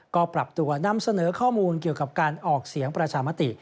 ก็ปรับตัวนำเสนอข้อมูลเกี่ยวกับการออกเสียงประชามติ